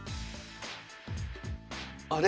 あれ？